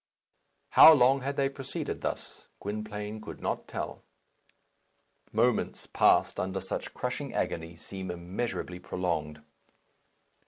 How long had they proceeded thus? Gwynplaine could not tell. Moments passed under such crushing agony seem immeasurably prolonged.